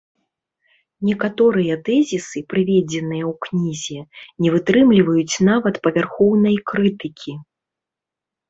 Некаторыя тэзісы, прыведзеныя ў кнізе, не вытрымліваюць нават павярхоўнай крытыкі.